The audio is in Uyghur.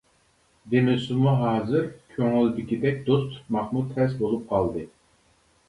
دېمىسىمۇ ھازىر كۆڭۈلدىكىدەك دوست تۇتماقمۇ تەس بولۇپ قالدى.